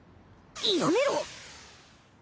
やめろ！